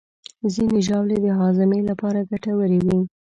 ځینې ژاولې د هاضمې لپاره ګټورې وي.